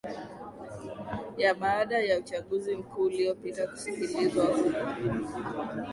ya baada ya uchaguzi mkuu uliopita kusikilizwa huko